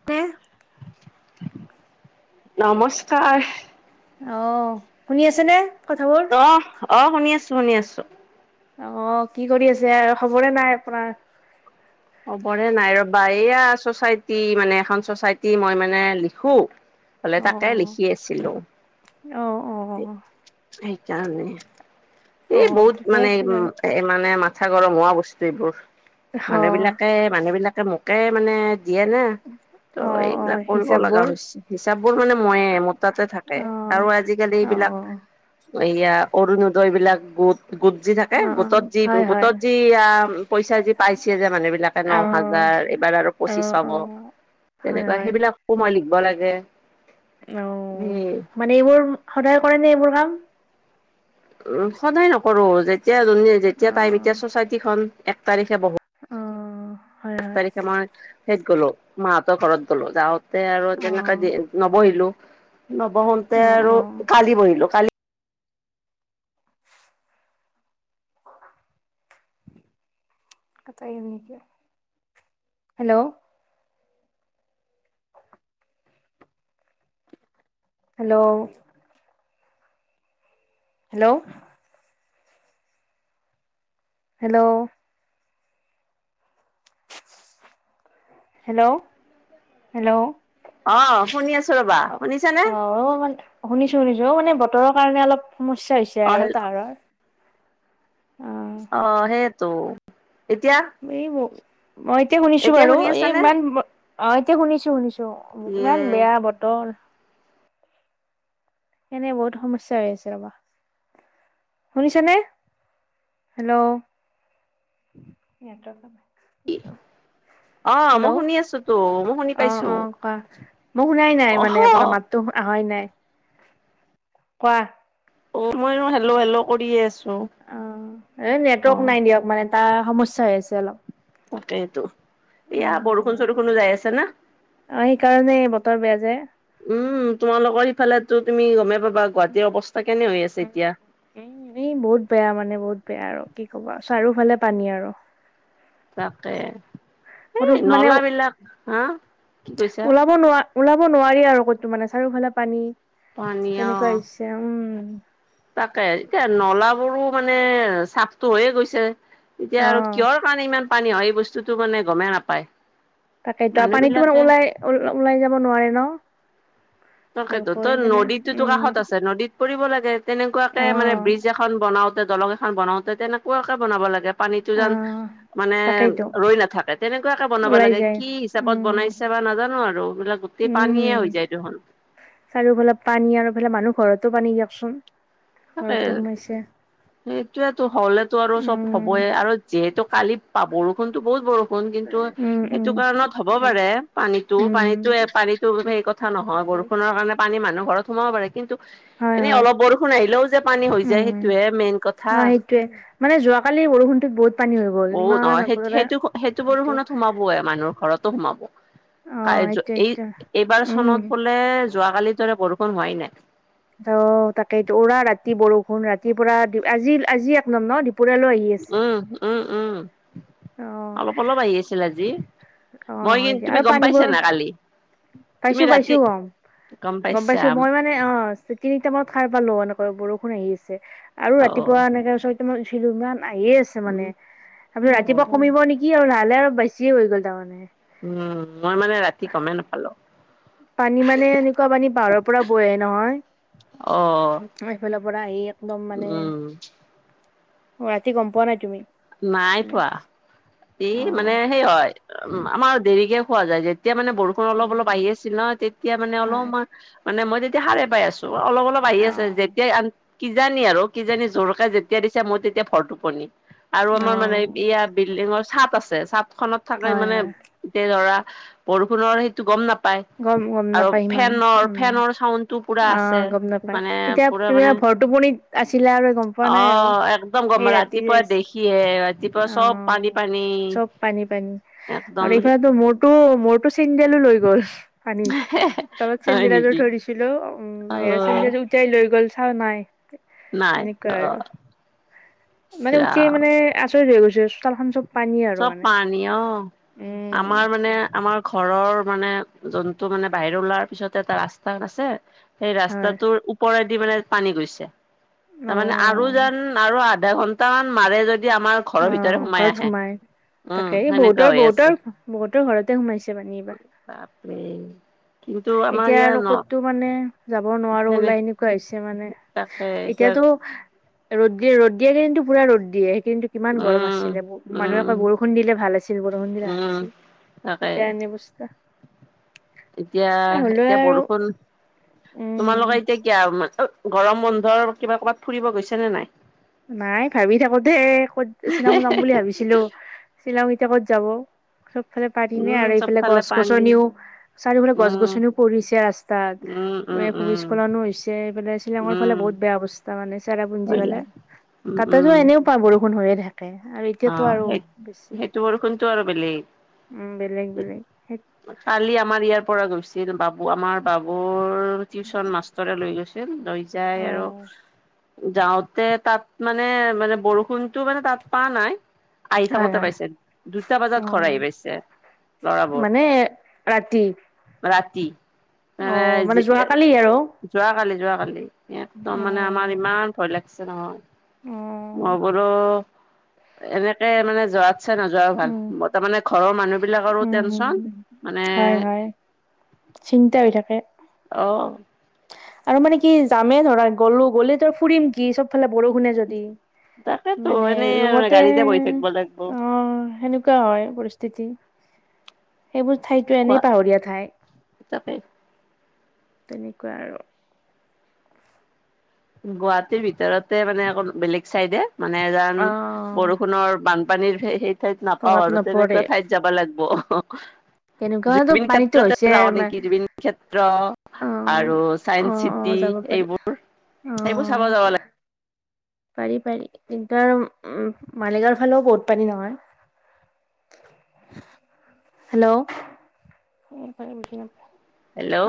[unintelligible] নমস্কাৰ অ শুনি আছে নে কথাবোৰ অ অ শুনি আছোঁ শুনি আছোঁ অ কি কৰি আছে খবৰে নাই আপোনাৰ পৰে নাই ৰবা এইয়া চচাইটি মানে এখন চচাইটি মই মানে লিখো [inaudible] তাকে লিখি আছিলো অ সেইকাৰণে অ অ এই বহুত ঠিকে মানে আছে এইবোৰ বাৰু এই মানে মাথা গৰম হোৱা বস্তু এইবোৰ অ মানুহবিলাক মানুহ বিলাকে মোকে মানে দিয়ে ন ত অ অ এইবিলাক কৰিব লগা হিচাপবোৰ হৈছি হিচাপবোৰ মইয়ে মোৰ তাতে থাকে অ আৰু আজিকালি অ এইবিলাক অ এইয়া অৰুণোদয়বিলাক গোট গোট যি থাকে অ গোটত যি হয় হয় গোটত যি আ পইচা যি পাইছে যে মানুহ বিলাক অ ন হাজাৰ এইবাৰ আৰু অ পঁচিছ হব অ হয় তেনেকুৱা হয় সেইবিলাকো মই লিখিব লাগে সেই মানে এইবোৰ সদায় কৰে নে এইবোৰ কাম উ সদায় নকৰো যেতিয়া যোনে অ যেতিয়া টাইম এতিয়া চচাইটি খন এক তাৰিখে ব অ হয় এক হয় তাৰিখে মই হেইত গ'লো মাহতৰ ঘৰত গলো যাওঁতে আৰু অ তেনেকে নবহিলো নবহোতে অ আৰু অ কালি বহিলো কালি hello hello hello hello hello hello অ শুনি আছো ৰবা অ শুনিছানে অ অ মান শুনিছো শুনিছো অ মানে বতৰৰ কাৰণে অলপ সমস্যা হৈছে এতিয়া অ আৰু হেল্ল' তাৰাৰ অ অ সেইটো এতিয়া এই বোৰ এতিয়া শুনিছো বাৰু শুনি এই আছানে? ইমান অ এতিয়া শুনিছো শুনিছো ইয়ে ইমান বেয়া বতৰ এনে বহুত সমস্যা হৈ আছে আমাৰ শুনিছ নে হেল্লৌ' [unintelligible] অ মই হেল্লৌ' শুনি আছো তো মই শুনি অ পাইছো। অ কোৱা মই শুনাই নাই অহ মানে আপোনাৰ মাত তো আহাই নাই কোৱা অ মই হেল্লৌ হেল্লৌ কৰিয়ে আছো অ এই অ নেটৱৰ্ক নাই দিয়ক মানে তাৰ সমস্যা হৈ আছে অলপ তাকেইটো এয়া উম বৰষুণ চৰষুণো যায় আছে না অ সেইকাৰণে বতৰ বেয়া যে উম তোমালোকৰ ইফালো তুমি গমেই পাবা গুৱাহাটীৰ অৱস্থা কেনে হৈ আছে উম, এতিয়া উম এই বহুত বেয়া মানে বহুত বেয়া আৰু কি ক'বা চাৰিওফালে পানী আৰু তাকে এই ক'তো মানে নলা বিলাক হা কি কৈছা? ওলাব নোৱ ওলাব নোৱাৰি আৰু কতো মানে চাৰিওফালে পানী পানী অ তেনেকোৱা হৈছে উম তাকে এতিয়া নলাবোৰো মানে চাফটো হৈয়ে গৈছে এতিয়া আৰু অ', কিহৰ কাৰণে ইমান পানী হয় এই বস্তুটো মানে গমেই নাপায় তাকেইতো আৰু মানুহ পানীতো মানে বিলাকে ওলাই ওলাই যাব নোৱাৰে ন তাকেতো ভালকৈ তই কেনে নদীটোতো উম, কাষত আছে নদীত পৰিবলে দে তেনেকোৱাকে মানে অ', ব্ৰিজ এ খন বনাওতে দলং এখন বনাওতে তেনেকোৱাকে বনাব লাগে পানীতো যেন অ', মানে তাকেইতো ৰৈ নাথাকে তেনেকোৱাকে বনাব ওলাই লাগে যায় কি হিচাপত উম, বনাইছে বা নাজানো আৰু এইবিলাক টেই পানীয়ে উম, হৈ যায় দেখোন চাৰিওফালে পানী আৰু ইফালে মানুহ ঘৰতো পানী দিয়কচোন তাকে ঘৰতো সোমাইছে সেইটোৱেতো হলেতো আৰু চব উম, হ'বই আৰু যিহেতু কালি পা বৰষুণতো বহুত বৰষুণ কিন্তু উম, সেইটো উম, কাৰণত হ'ব পাৰে পানীতো উম, পানীতো এ পানীত সেইটো সেই কথা নহয় বৰষুণৰ কাৰণে পানী মানুহ ঘৰত সোমাব পাৰে কিন্তু হয়, এনে হয়। অলপ বৰষুণ আহি দিলেও যে পানী হৈ যায়, সেইটোহে মেইন কথা। গোটে মানে যোৱা কালি বৰষুণতো বহুত পানী হৈ গ'ল। অ ইমান নহয় সেই একেবাৰে সেইটো সেইটো বৰষুণত সোমাবই মানুহৰ ঘৰতো সোমাব অ এইটো এই এইটো এইবাৰ উম চনত বোলে যোৱাকালিৰ দৰে বৰষুণ হোৱাই নাই ত তাকেইতো উৰা ৰাতি বৰষুণ ৰাতিৰ পৰা আজি আজি এক নাম ন দুপৰীয়ালৈ আহি আছে উম উম উম অ অলপ অলপ আহি আছিল আজি অ মই হয় কিন্তু দিয়া তুমি আৰু গম পাইছা পানীবোৰ না কালি তুমি পাইছো পাইছো ৰাতি গম গম পাইছো মই মা অ তিনি টাইমত খাই পালো এনেকৈ বৰষুণ আহি আছে আৰু অ ৰাতিপুৱা এনেকে ছয়টা মান শ্বিলুঙাত আহিয়েই আছে উম মানে তাৰপিছত অ ৰাতিপুৱা কমিব নেকি আৰু লাহ লাহে আৰু বেছিয়ে হৈ গ'ল। তাৰমানে। উম মই মানে ৰাতি গমেই নাপালো। পানী মানে এনেকোৱা পানী পাহাৰৰ পৰা বৈ আহে নহয়। অ আমাৰ সেইফালৰ পৰা আহি একদম মানে উম অ ৰাতি গম পোৱা নাই তুমি? নাই মানে পোৱা, এই মানে অ', হেৰি হয় উম আমাৰ দেৰিকে শুৱা যায় যে তেতিয়া মানে বৰষুণ অলপ অলপ উম, আহি আছিল ন, তেতিয়া মানে হয়। অলপমান মানে মই তেতিয়া সাৰে পাই আছো, অলপ অলপ আহি আছে অ', যেতিয়াই আ কিজানি আৰু কিজানি জোৰকে যেতিয়া দিছে, মই তেতিয়া ভৰটোপনি। আৰু আমাৰ মানে অ', এইয়া বিল্ডিঙৰ চাট আছে, চাট খনত থাকে হয়, মানে হয়, এতিয়া ধৰা, বৰষুণৰ সেইটো গম নাপায়। গম গম আৰু নাপাই ইমান ফেনৰ উম ফেনৰ চাউণ্ডটো পুৰা আছে আহ গম নাপায়। মানে এতিয়া পুৰা তুমি মানে এয়া ভৰটোপনিত আছিলা আৰু গম পোৱা অ নাই আৰু একদম গম সেই ৰাতি ৰাতিপুৱা যাই দেখিহে ৰাতিপুৱা চব পানী অ' পানী চব পানী পানী আৰু একদম এইফালেতো মোৰ তো মোৰতো চেণ্ডেলো লৈ গ'ল পানীত, তলত হয় চেণ্ডেল এযোৰ নেকি? থৈ দি ছিলো উম বাহিৰৰ অ' চেণ্ডেল উটাই লৈ গল চোৱা নাই নাই তেনেকোৱা আৰু। অ' মানে উঠি ইচৰাম মানে আচৰিত হৈ গৈছো চোতালখন চব পানী আৰু চব মানে পানী অ'। আমাৰ মানে উম। আমাৰ ঘৰৰ মানে জন্তু মানে বাহিৰত ওলোৱাৰ পিছত এটা ৰাস্তাত আছে সেই হয় ৰাস্তাটোৰ ওপৰেদি মানে পানী গৈছে। তাৰমানে আৰু অ', যেন আৰু আধা ঘণ্টা মান মাৰে যদি আমাৰ ঘৰৰ অ ভিতৰত ঘৰত সোমাই, তাকেই সেনেকুৱা বহুতৰ হৈ আছে বহুতৰ, বহুতৰ ঘৰতে সোমাইছে পানী এইবাৰ। বাপৰে। কিন্তু আমাৰ এতিয়া ইয়াৰ আৰু ন ক'তো মানে যাব নোৱাৰো সেনে ওলাই, এনেকুৱা হৈছে মানে। তাকে এতিয়া এতিয়াতো ৰ'দ দিয়ে, ৰ'দ দিয়ে কিন্তু পুৰা ৰ'দ দিয়ে, কিন্তু কিমান গৰম উম। আছিলে, মানুহে উম, কয় বৰষুণ দিলে ভাল আছিল, বৰষুণ দিলেই ভাল উম, আছিল। তাকে এতিয়া এনে অৱস্থা। এতিয়া, এ এতিয়া হ'লেও আৰু বৰষুণ, উম। তোমালোকৰ এতিয়া এতিয়া [unintelligible] গৰম বন্ধৰ কিবা ক'ৰবাত ফুৰিব গৈছে নে নাই? নাই ভাবি থাকো দেই, ক'ত শ্বিলং যাম বুলি ভাবিছিলোঁ। শ্বিলং এতিয়া ক'ত যাব চব ইফালে পানীয়েই উম আৰু এইফালে চবফালে গছ- পানী গছনিও, চাৰিওফালে গছ উম -গছনিও পৰিছে ৰাস ৰাস্তাত উম উম উম ভূৰিস্খলনো হৈছে এইফালে শ্বিলঙৰ ফালে উম বহুত বেয়া অৱস্থা মানে চেৰাপুঞ্জী ভয় ফালে। লাগে উম তাতেতো উম এনেও পুৰা বৰষুণ হৈ থাকে। আৰু অ এতিয়াতো আৰু সেই বেছি সেইটো বৰষুণটো আৰু বেলেগ উম বেলেগ বেলেগ। কালি আমাৰ ইয়াৰ পৰা গৈছিল বাবু আমাৰ বাবুৰ টিউচন মাষ্ট মাষ্টৰে লৈ গৈছিল লৈ যাই সেই আৰু যাওঁতে তাত মানে মানে বৰষুণটো মানে তাত পা নাই। আহি হয় থাকোতে হয় পাইছে দুটা বজাত ঘৰ আহি পাইছে। ল'ৰাবোৰ মানে ৰাতি। ৰাতি মানে যোৱাকালি যোৱাকালি। অ একদম মানে আমাৰ ইমান ভয় লাগিছে অ নহয় মই বোলো এনেকে মানে যোৱাত ইচ্ছা নোযোৱাও ভাল, উম মই তাৰমানে ঘৰৰ মানুহ বিলাকৰো টেনচন উম, মানে হয় হয় চিন্তা হৈ থাকে। অহ। আৰু মানে কি যামে ধৰা গ'লো, গ'লে তাত ফুৰিম কি চব ফালে বৰষুণেই যদি। তাকেতো মানে এনেই ৰুমতে গাড়ীতে বহি থাকিব লাগিব অ সেনেকুৱা হয় পৰিস্থিতি। সেইবোৰ ঠাইতো কোৱা এনেই পাহৰীয়া ঠাই, তাকে তেনেকুৱা আৰু। গুৱাহাটীৰ ভিতৰতে মানে, অকন বেলেগ চাইডে মানে অ বৰষুণৰ বান পানীৰ সেই ঠাইত নাপাও প্ৰভাৱ আৰু নপৰে তেনেকুৱা ঠাইত যাব লাগিব। তেনেকুৱাতো জুবিন পানীতো ক্ষেত্ৰতে হৈছে যাওঁ মা- নেকি জুবিন ক্ষেত্ৰ। অ আৰু অ চাইন্স অ চিটি যাব পাৰি এইবোৰ, অ সেইবোৰ চাব যাব লাগে। পাৰি পাৰি ইণ্টাৰ উম মালিগাঁওৰ ফালেও বহুত পানী নহয়। হেল্ল' [unintelligible]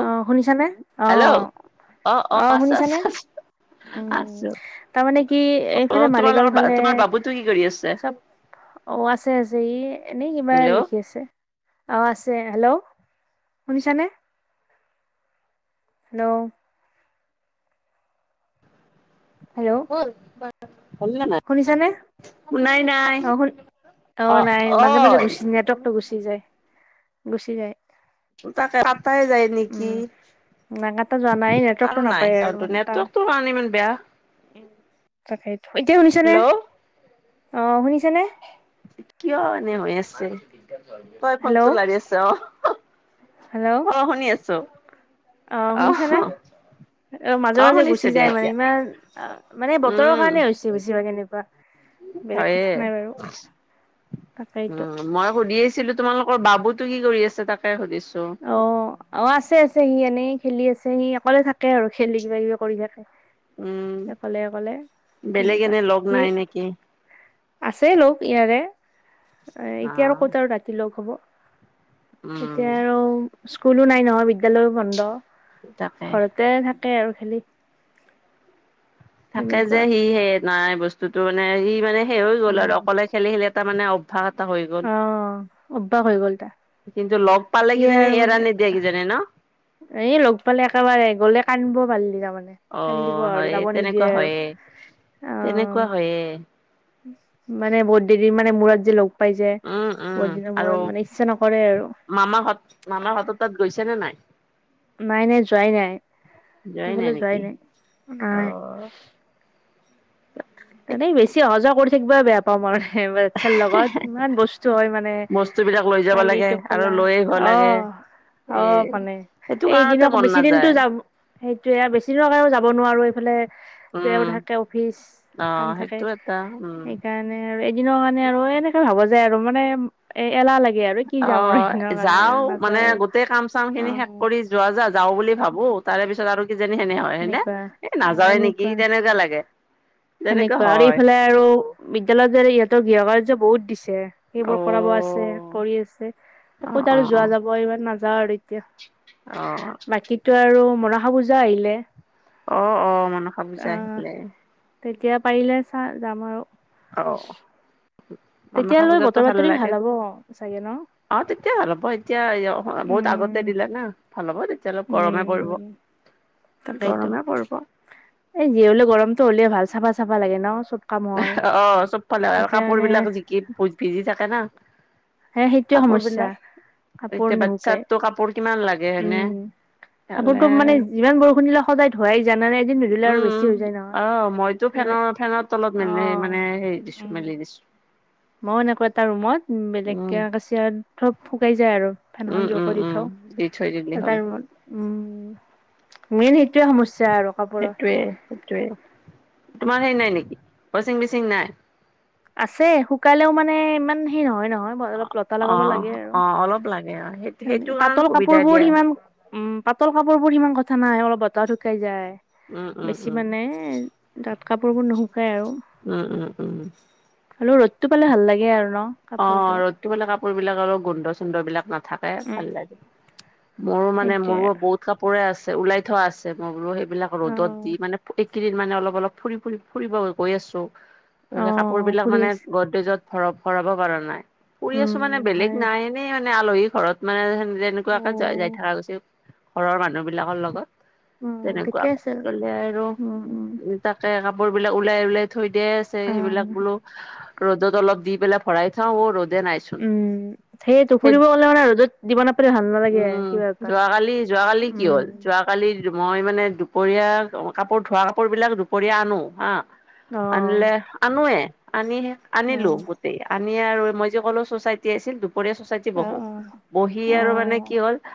অ শুনিছানে অ হেল্ল' অ আছো আছো শুনিছানে। আছো উম আছো তাৰমানে কি অ এইফালে তোমাৰ মালিগাঁওৰ লগৰ ফালে তোমাৰ বাবুতো কি কৰি আছে চব অ আছে আছে ই এনেই কিবা হেল্ল' লিখি আছে। অ আছে হেল্ল' শুনিছানে। হেল্ল' হেল্ল' [unintelligible] হলনে নাই শুনিছানে শুনাই নাই অ শুন অ নাই মাজে মাজে গুচি নেটৱৰ্কটো গুচি যায় গুচি যায়। তাকে কাটাই যায় নেকি? নাই কাটা যোৱা নাই এই আৰু নেটৱৰ্কটো নাই নাপায় আৰু চাউনটো মানে তাৰ নেটৱৰ্কটো কাৰণে ইমান বেয়া তাকেইতো এতিয়া শুনিছে নে হেল্ল' অ', শুনিছে নে। কিয় এনে হৈ আছে। তই হেল্ল' ফোনটো লাৰি আছ অ', হেল্ল' আহ শুনি আছোঁ। অ অহ। শুনিছানে অ', মাজে, মাজে গুচি যায় মানে ইমান অ', মানে বতৰৰ উম কাৰণে হৈছি। [unintelligible] কেনেকুৱা বেলেগ হয়ে কথা নাই বাৰু তাকেইটো উম মই সুধি আছিলোঁ তোমালোকৰ বাবুতো কি কৰি আছে তাকে সুধিছোঁ। অ', অ', আছে, আছে সি এনেই খেলি আছে সি অকলে থাকে আৰু খেলি কিবা- কিবি কৰি থাকে। উম অকলে অকলে বেলেগ তেনেকা এনে লগ সি নাই নেকি আছে লগ ইয়াৰে এ এতিয়া আৰু অ ক'ত আৰু ৰাতি লগ হ'ব। উম। এতিয়া আৰু স্কুলো নাই নহয় বিদ্যালয়ও বন্ধ। তাকে। ঘৰতে থাকে আৰু খেলি। থাকে যে তেনেকুৱা সি সে নাই বস্তুটো মানে সি মানে শেষ হৈ গ'ল আৰু উম অকলে খেলি, খেলি এটা মানে। [unintelligible] অ', অভ্যাস হৈ গ'ল তাৰ। কিন্তু লগ পালে সি কিজানি আৰু এৰা মানে নিদিয়ে কিজানি ন। এই ল'গ পালে একেবাৰে গ'লে কান্দিব পাৰিলি তাৰমানে অ কান্দিব আৰু হয় যাব নিদিয়ে তেনেকুৱা আৰু হয়ে অ'। [unintelligible] মানে ব দেৰিৰ মানে মূৰত যে লগ পাই যায় উম বহুত দিনা মূৰত মানে ইচ্ছা নকৰে আৰু। মামাহত মামা হতত তাত গৈছে নে নাই। নাই, নাই যোৱাই নাই নাই সেইফালে যোৱাই নেকি নাই অ নাই। এনে বেছি অহা যোৱা কৰি থাকিবা বেয়া [unintelligible] আৰু বাচ্ছাৰ লগত ইমান বস্তু হয় মানে বস্তু বিলাক লৈ যাব লাগে কালিতো [unintelligible] আৰু লৈ আহিব লাগে অ', এ অ', সেইটো কাৰণতে [unintelligible] মন বেছি নাযায় দিনটো যাব। সেইটোৱে আৰু বেছি দিনৰ কাৰণেও যাব নোৱাৰো এইফালে তেওঁৰ উম থাকে অফিচ অ কাম থাকে সেইটো এটা উম সেইকাৰণে আৰু এদিনৰ কাৰণে আৰু এনেকে ভাবা যায় আৰু মানে এ এলাহ লাগে আৰু কি অ যাম আৰু এদিনৰ কাৰণে যাও আৰু মানে নাযাওঁ গোটেই কাম চাম খিনি শেষ আৰু অ'। কৰি যোৱা যা যাওঁ বুলি ভাবোঁ তাৰে পিছত আৰু কিজানী সেনে হয় হয় নে এনেকুৱা এই অ নাযাওঁ নেকি এনেকুৱা তেনেকুৱা লাগে তেনেকুৱা সেনেকুৱা আৰু হয়। এইফালে আৰু বিদ্যালয়ৰ যে ইহঁতৰ গৃহ কাৰ্য বহুত দিছে অ সেইবোৰ কৰাব আছে। কৰি আছে অ আ'ত অ আৰু যোৱা যাব ইমান নাযাও আৰু এতিয়া। অ'। বাকীতো আৰু মনাসা পূজা আহিলে। অ', অ', মনসা পূজা আহ আহিলে। তেতিয়া পাৰিলে চা যাম আৰু। অ'। তেতিয়া মনসা লৈ পূজাতো বতৰ বাতৰি লাগে ভাল হ'ব চাগে ন। অ', তেতিয়া ভাল হ'ব এতিয়া বহুত আগতে উম দিলা না। ভাল হ'ব তেতিয়া অলপ গৰমে পৰিব উম তাকেইতো গৰমে পৰিব। এই জি হ'লে গৰমটো হ'লে ভাল চাফ, চাফা লাগে চব। কাম হয় অ চবফালে এতিয়া কাপোৰ মানে বিলাক জিকি ভিজি থাকে না হে সেইটোৱে কাপোৰ সমস্যা বিলাক কাপোৰ এতিয়া নুশুকাই বাচ্ছাটো কাপোৰ কিমান লাগে হয়নে ইফালে কাপোৰতো মানে যিমান বৰষুণ দিলে সদায় ধোৱাই যায় নলে এদিন নুধুলে আৰু বেছি হৈ যায় নহয় টো ফেনৰ ফেনৰ তলত অ মেলি মানে হেৰি দিছো মেলি দিছো মই এনেকুৱা এটা ৰুমত উম বেলেগকে কাচিয়া চব শুকাই যায় আৰু ফেনখন উম জো উম কৰি উম দি থৈ দিলি থওঁ হ'ল এটি ৰুমত উম মেইন সেইটোৱে সমস্যা আৰু কাপোৰৰ প্ৰে হেইতোৱে তোমাৰ হেৰি নাই নিকি ৱাচিং মেচিং নাই আছে শুকালেও মানে ইমান হেৰি নহয় নহয় অলপ লতা অ লগাব লাগে আৰু অ অলপ লাগে অ সেই সেইটো হয়নাই কাৰণে পাতল কাপোৰ সুবিধা বোৰ দিয়া সিমান উম পাতল কাপোৰ বোৰ সিমান কথা নাই অলপ বতাহ শুকাই যায় উম উম বেছি উম মানে ডাঠ কাপোৰবোৰ নুশুকাই আৰু উম উম উম হলেও ৰ'দটো পালে ভাল লাগে আৰু ন অ কাপোৰবোৰত ৰ'দটো পালে কাপোৰ বিলাক অল গোন্ধ চুন্ধ বিলাক নাথাক প্ৰায় উম, ভাল লাগে মোৰো মানে সেইটোৱে মোৰো আৰু। বহুত কাপোৰে আছে ওলাই থোৱা আছে মই বোলো সেই বিলাক ৰ'দত দি অ', মানে এইকেইদিন মানে অলপ অলপ ফুৰি ফুৰি ফুৰিব গৈ আছো ত কাপোৰ অ', বিলাক ফুৰি মানে আছে, গদৰেজত ভৰ ভৰাব পৰা নাই ফুৰি আছো উম, মানে বেলেগ নহয় নাই এনেই মানে আলহী ঘৰত মানে যেনেকুৱাকে যাই যাই অ', থকা গৈছে ঘৰৰ মানুহ বিলাকৰ লগত উম, ঠিকে আছে, তেনেকুৱাকে কলে আৰু উম তাকে কাপোৰ বিলাক ওলাই ওলাই থৈ দিয়াই আছে সেইবিলাক অ', বোলো ৰ'দত অলপ দি পেলাই ভৰাই থওঁ অ ৰ'দে নাইচো উম সেইটো ফুৰিব গলে মানে আৰু ৰদত দিব নাপালে ভাল নালাগে উম কিবা এটা উম কালি মই মানে দুপৰীয়া কাপোৰ ধোৱা কাপোৰ বিলাক দুপৰীয়া আনো হা অ', আনিলে আনোৱে আনি আনিলো অ', গোট আনি আৰু মই যে কলেো চ'চাইটি আছিল দুপৰীয়া চচাইটি বহো অ', বহি অ', আৰু মানে অ'। কি হ'ল